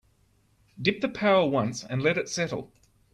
Dip the pail once and let it settle.